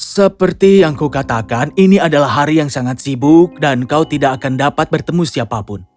seperti yang kukatakan ini adalah hari yang sangat sibuk dan kau tidak akan dapat bertemu siapapun